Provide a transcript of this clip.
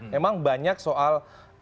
memang banyak soal